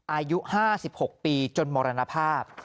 อายุ๕๖ปีจนมรณภาพ